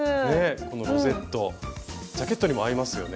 このロゼットジャケットにも合いますよね。